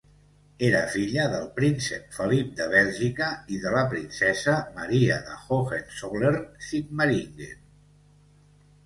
Era filla del príncep Felip de Bèlgica i de la princesa Maria de Hohenzollern-Sigmaringen.